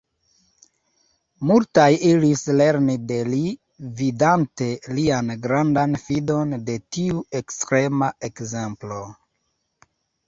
Multaj iris lerni de li, vidante lian grandan fidon de tiu ekstrema ekzemplo.